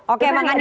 oke bang adi